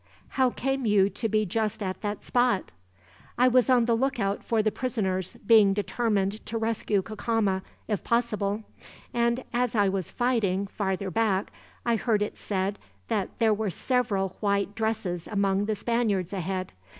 "How came you to be just at that spot?" "I was on the lookout for the prisoners, being determined to rescue Cacama, if possible; and as I was fighting, farther back, I heard it said that there were several white dresses among the Spaniards ahead.